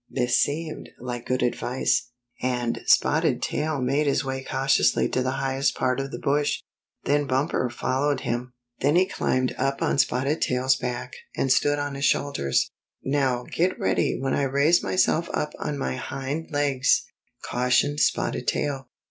This seemed like good advice, and Spotted Tail made his way cautiously to the highest part of the bush. Then Bumper followed him. Then 104 « Spotted Tail Proves His Loyalty he climbed up on Spotted Tail's back, and stood on his shoulders. "Now get ready when I raise myself up on my hind legs!" cautioned Spotted Tail.